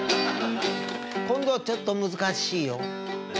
今度はちょっと難しいよ。